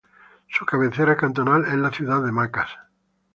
Su cabecera cantonal es la ciudad de Macas.